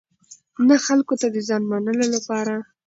نه خلکو ته د ځان منلو لپاره.